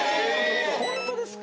・ホントですか？